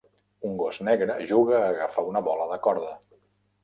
Un gos negre juga a agafar una bola de corda.